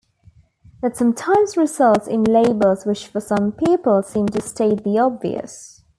That sometimes results in labels which for some people seem to state the obvious.